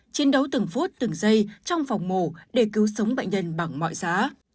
chiến đấu từng phút từng giây trong phòng mổ để cứu sống bệnh nhân bằng mọi giá